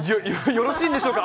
よろしいんでしょうか。